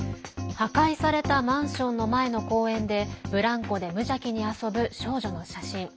破壊されたマンションの前の公園でブランコで無邪気に遊ぶ少女の写真。